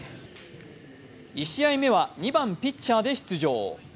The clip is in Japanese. １試合目は２番・ピッチャーで出場。